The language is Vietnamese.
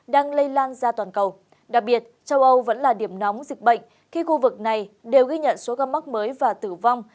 đặc biệt châu âu vẫn là điểm nóng dịch bệnh khi khu vực này đều ghi nhận số găm mắc mới và tử vong